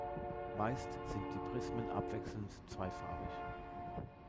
Meist sind die Prismen abwechselnd zweifarbig.